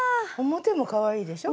表もかわいいですね